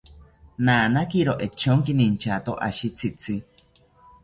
Nanakiro echonkini inchato ashi tzitzi